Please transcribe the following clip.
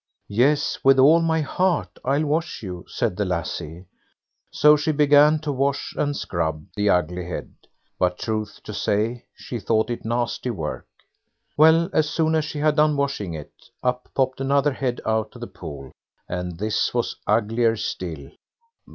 "Yes, with all my heart I'll wash you", said the lassie. So she began to wash and scrub the ugly head; but truth to say, she thought it nasty work. Well, as soon as she had done washing it, up popped another head out of the pool, and this was uglier still.